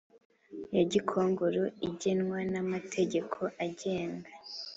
Ya gikongoro igenwa n amategeko agenga